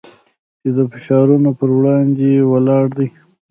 چې د فشارونو پر وړاندې ولاړ دی.